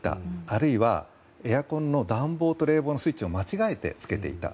あるいはエアコンの暖房と冷房のスイッチを間違えてつけていた。